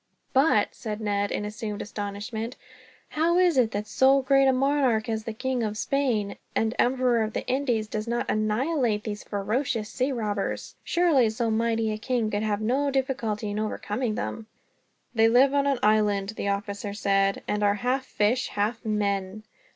"But," said Ned, in assumed astonishment, "how is it that so great a monarch as the King of Spain, and Emperor of the Indies, does not annihilate these ferocious sea robbers? Surely so mighty a king could have no difficulty in overcoming them." "They live in an island," the officer said, "and are half fish, half men."